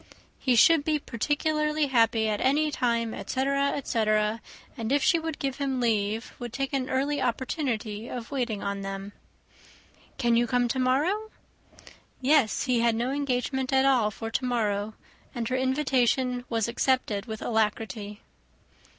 He should be particularly happy at any time, etc., etc.; and if she would give him leave, would take an early opportunity of waiting on them. "Can you come to morrow?" Yes, he had no engagement at all for to morrow; and her invitation was accepted with alacrity.